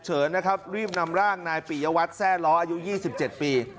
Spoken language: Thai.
เฉินนะครับรีบนำร่างนายปียวัตรแซ่ล้ออายุ๒๗ปี